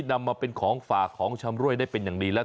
นำมาเป็นของฝากของชำรวยได้เป็นอย่างดีแล้ว